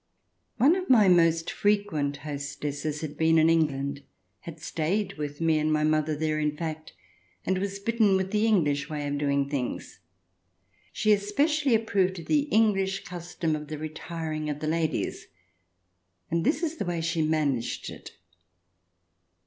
One of my most frequent hostesses had been in England — had stayed with me and my mother there, in fact — and was bitten with the English way of doing things. She especially approved of the English custom of the retiring of the ladies, and this is the way she managed it.